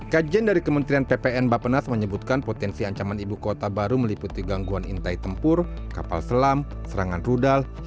kajian dari kementerian ppn bapenas menyebutkan potensi ancaman ibu kota baru meliputi gangguan intai tempur kapal selam serangan rudal